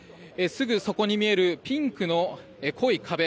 すぐそこに見えるピンクの濃い壁。